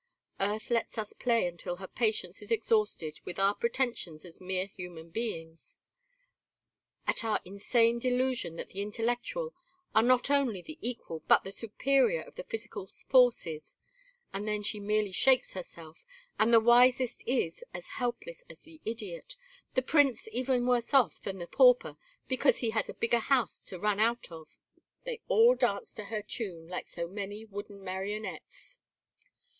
Earth lets us play until her patience is exhausted with our pretentions as mere human beings, at our insane delusion that the intellectual are not only the equal but the superior of the physical forces; and then she merely shakes herself, and the wisest is as helpless as the idiot, the prince even worse off than the pauper because he has a bigger house to run out of. They all dance to her tune like so many wooden marionettes.